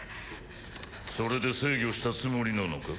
それで制御したつもりなのか？